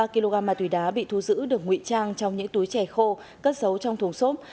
ba kg ma túy đá bị thu giữ được nguy trang trong những túi chè khô cất dấu trong thùng xốp